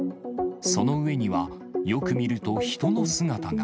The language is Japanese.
その上にはよく見ると、人の姿が。